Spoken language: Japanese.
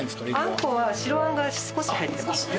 あんこは白あんが少し入ってます。